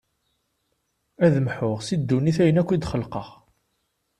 Ad mḥuɣ si ddunit ayen akk i d-xelqeɣ.